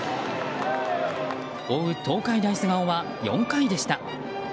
追う東海大菅生は４回でした。